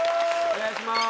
お願いします。